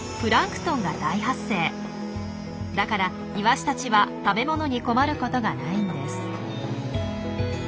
だからイワシたちは食べものに困ることがないんです。